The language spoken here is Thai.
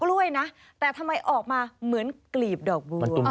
กล้วยนะแต่ทำไมออกมาเหมือนกลีบดอกบัว